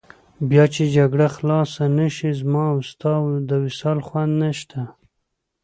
بیا چې جګړه خلاصه نه شي، زما او ستا د وصال خوند نشته.